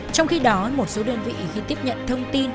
trong khi đó một số đơn vị khi tiếp nhận thông tin